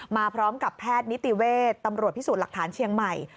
มาพร้อมกับแพทย์นิติเวชตำรวจพิสูจน์หลักฐานเชียงใหม่